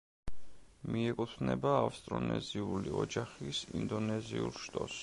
მიეკუთვნება ავსტრონეზიული ოჯახის ინდონეზიურ შტოს.